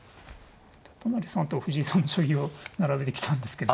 都成さんと藤井さんの将棋を並べてきたんですけど。